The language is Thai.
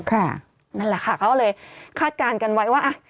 นั่นแหละค่ะเขาเลยคาดการณ์กันไว้ว่า